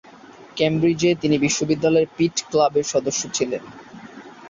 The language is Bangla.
কেমব্রিজে তিনি বিশ্ববিদ্যালয়ের পিট ক্লাবের সদস্য ছিলেন।